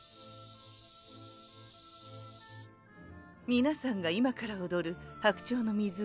皆さんが今から踊る「白鳥の湖」